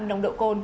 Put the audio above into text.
nồng độ côn